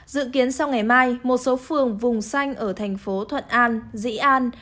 dự kiến sau ngày mai một số phường vùng xanh ở thành phố thuận an dĩ an